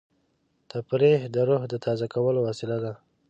تفریح د روح د تازه کولو وسیله ده.